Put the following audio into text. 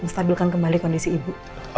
menstabilkan kembali kondisi ibu